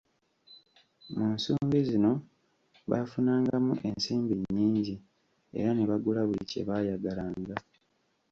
Mu nsumbi zino baafunangamu ensimbi nnyingi era ne bagula buli kyebayagalanga.